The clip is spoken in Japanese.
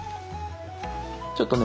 ちょっとね